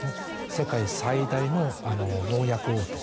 世界最大の農薬大手